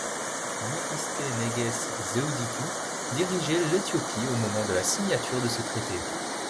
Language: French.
Nigiste Negest Zewditou dirigeait l'Éthiopie au moment de la signature de ce traité.